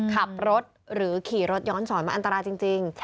ขับรถหรือขี่รถย้อนสอนมันอันตรายจริง